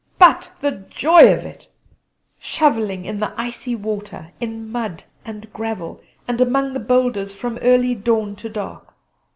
But the joy of it! Shovelling in the icy water, in mud and gravel, and among the boulders, from early dawn to dark.